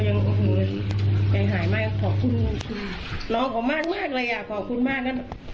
ยังหายมากขอบคุณคุณคุณน้องของมากเลยขอบคุณมาก